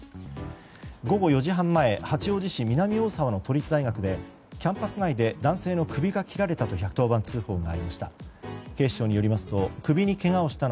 午後４時半前八王子市南大沢の都立大学でキャンパス内で男性の首が切られたと１１０番通報がありました。